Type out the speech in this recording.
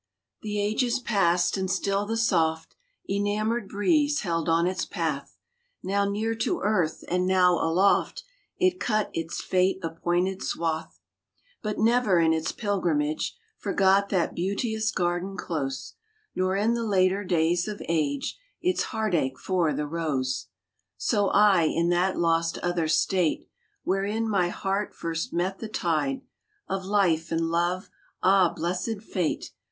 The ages passed, and still the soft Enamored breeze held on its path ; Now near to earth, and now aloft It cut its fate appointed swath; But never in its pilgrimage Forgot that beauteous garden close, Nor in the later days of age Its heart ache for the rose. So I in that lost other state Wherein my heart first met the tide Of Life and Love ah, blessed fate